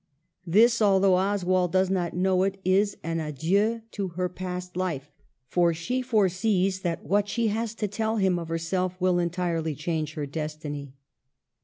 This, although Oswald does not know it, is an adieu to her past life, for sheioresees that what she has to tell him of herself will entirely change her destiny.